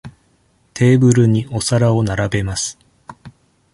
テーブルにお皿を並べます。